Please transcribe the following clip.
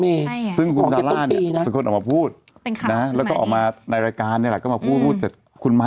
มันออกมาจากสองสามเดือนแล้วนะไม่ได้พึ่งขอนะเม